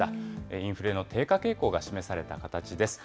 インフレの低下傾向が示された形です。